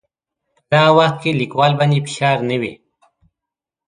په دغه وخت کې لیکوال باندې فشار نه وي.